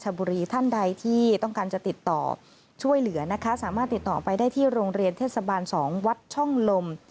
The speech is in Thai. บุรีท่านใดที่ต้องการจะติดต่อช่วยเหลือนะคะสามารถติดต่อไปได้ที่โรงเรียนเทศบาล๒วัดช่องลม